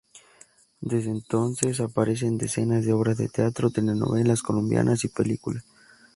Desde entonces aparece en decenas de obras de teatro, telenovelas colombianas y películas.